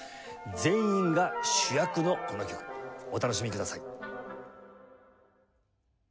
全員が主役のこの曲お楽しみください。